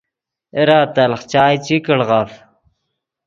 اے را تلخ چائے چی کڑف